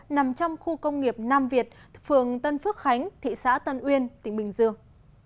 nằm trong khu công nghiệp nam việt phường tân phước khánh thị xã tân uyên tỉnh bình dương